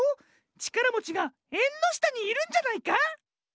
ちからもちがえんのしたにいるんじゃないか？